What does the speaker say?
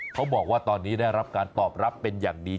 เขาบอกว่าตอนนี้ได้รับการตอบรับเป็นอย่างดี